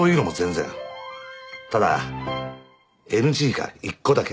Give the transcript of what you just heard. ただＮＧが１個だけ。